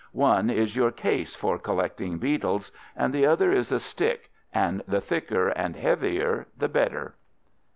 One is your case for collecting beetles, and the other is a stick, and the thicker and heavier the better."